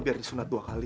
biar disunat dua kali